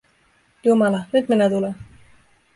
Jumala, nyt minä tulen.